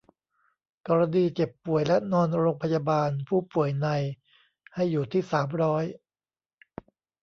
กรณีเจ็บป่วยและนอนโรงพยาบาล ผู้ป่วยใน ให้อยู่ที่ สามร้อย